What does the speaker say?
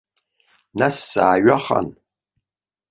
Нас сааҩахан.